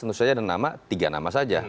tentu saja ada nama tiga nama saja